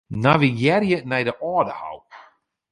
Navigearje nei de Aldehou.